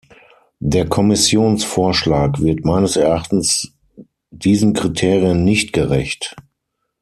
Der Kommissionsvorschlag wird meines Erachtens diesen Kriterien nicht gerecht.